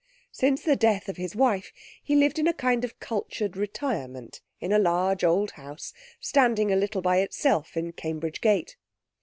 Since the death of his wife he lived in a kind of cultured retirement in a large old house standing a little by itself in Cambridge Gate.